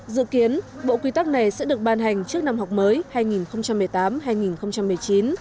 dự kiến bộ quy tắc này sẽ được ban hành trước năm học mới hai nghìn một mươi tám hai nghìn một mươi chín